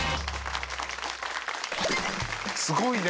すごいね。